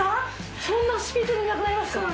そんなスピードでなくなりますか？